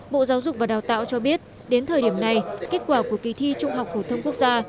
bộ giáo dục và đào tạo cho biết đến thời điểm này kết quả của kỳ thi trung học phổ thông quốc gia